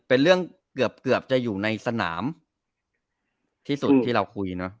เป็นเรื่องเกือบเกือบจะอยู่ในสนามที่สุดที่เราคุยเนอะ